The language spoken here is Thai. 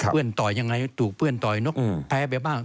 เปลือนต่อยังไงถูกเปลือนต่อยนกแพ้ไปบ้าง